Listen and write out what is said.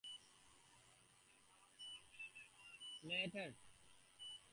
Meanwhile, Helene, it must be said, burnt carefully Adele's letter.